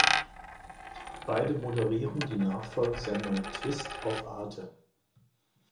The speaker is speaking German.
Beide moderieren die Nachfolgesendung "Twist" auf Arte.